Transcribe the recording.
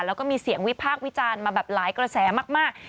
แล้วก็มีเสียงวิพากษ์วิจารณ์มาแบบหลายกระแสมาก